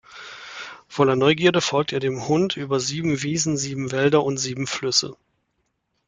Voller Neugierde folgte er dem Hund, über sieben Wiesen, sieben Wälder und sieben Flüsse.